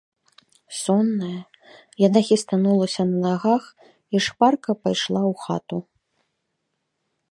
Сонная, яна хістанулася на нагах і шпарка пайшла ў хату.